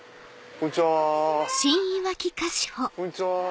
こんにちは。